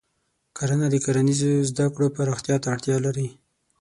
کرنه د کرنیزو زده کړو پراختیا ته اړتیا لري.